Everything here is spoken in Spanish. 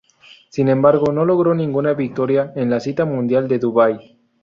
Sin embargo, no logró ninguna victoria en la cita mundial de Dubái.